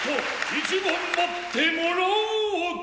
一番待ってもらおうか。